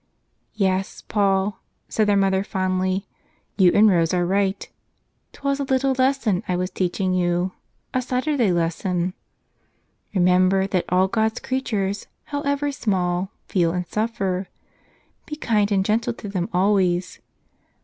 "Yes, Paul," said their mother fondly, "you and Rose are right. 'Twas a little lesson I was teaching you — a Saturday lesson. Remember that all God's creatures, however small, feel and suffer. Be kind and gentle to them always.